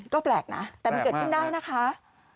ก็แปลกนะแต่มันเกิดขึ้นได้นะคะ